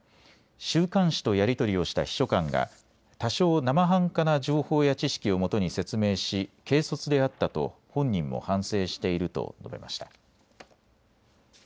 週刊誌とやり取りをした秘書官が多少なまはんかな情報や知識をもとに説明し軽率であったと本人も反省していると述べました。